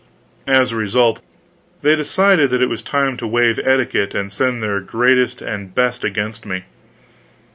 As a result, they decided that it was time to waive etiquette and send their greatest and best against me.